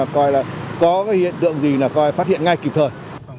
để làm sao mà coi là có cái ý thức